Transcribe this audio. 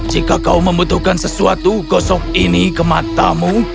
jika kau membutuhkan sesuatu gosok ini ke matamu